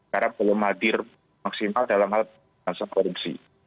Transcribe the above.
karena belum hadir maksimal dalam hal permasalahan korupsi